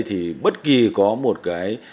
thì bất kì có một cái